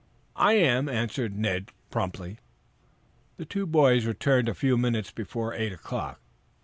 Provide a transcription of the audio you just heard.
"I am," answered Ned promptly. The two boys returned a few minutes before eight o'clock.